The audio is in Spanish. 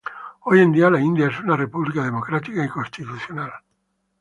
Hoy en día la India es una república democrática y constitucional.